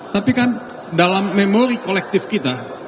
tapi kan dalam memori kolektif kita